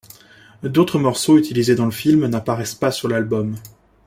D'autres morceaux utilisés dans le film, n'apparaissent pas sur l'album.